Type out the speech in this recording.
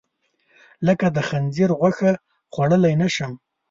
لکه د خنځیر غوښه، خوړلی نه شم.